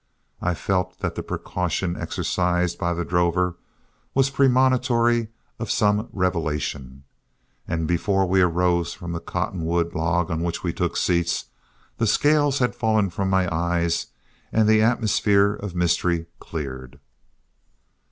I felt that the precaution exercised by the drover was premonitory of some revelation, and before we arose from the cottonwood log on which we took seats, the scales had fallen from my eyes and the atmosphere of mystery cleared.